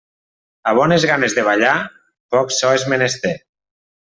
A bones ganes de ballar, poc so és menester.